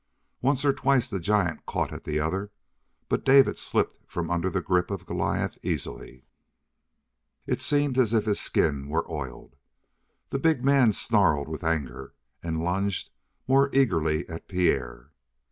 Once or twice the giant caught at the other, but David slipped from under the grip of Goliath easily. It seemed as if his skin were oiled. The big man snarled with anger, and lunged more eagerly at Pierre.